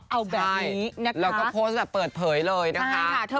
เอาแบบนี้นะคะแล้วก็โพสต์แบบเปิดเผยเลยนะคะ